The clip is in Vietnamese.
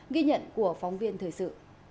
ghi nhận của phóng viên thời sự